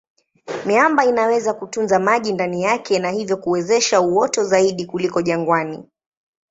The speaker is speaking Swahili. Miamba inaweza kutunza maji ndani yake na hivyo kuwezesha uoto zaidi kuliko jangwani.